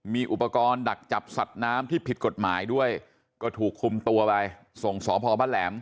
มีอุปกรณ์ดักจับสัตว์น้ำที่ผิดกฎหมายด้วยก็ถูกคุมตัวไปส่งสพบ้านแหลม